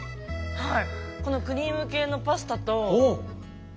はい。